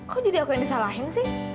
kok jadi aku yang disalahin sih